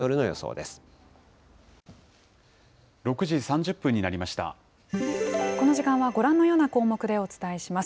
この時間はご覧のような項目でお伝えします。